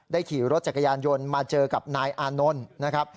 ได้ขี่รถจักรยานยนต์มาเจอกับนายอานนล์